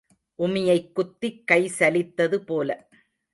உமியைக் குத்திக் கை சலித்தது போல.